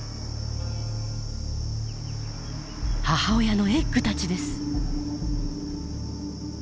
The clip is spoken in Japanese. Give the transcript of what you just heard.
母親のエッグたちです。